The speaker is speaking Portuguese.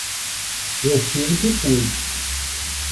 Eu fiz o que pude.